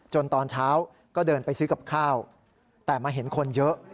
ตอนเช้าก็เดินไปซื้อกับข้าวแต่มาเห็นคนเยอะ